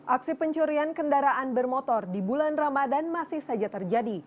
aksi pencurian kendaraan bermotor di bulan ramadan masih saja terjadi